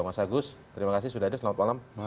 mas agus terima kasih sudah ada selamat malam